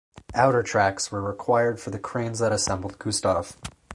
Outer tracks were required for the cranes that assembled Gustav.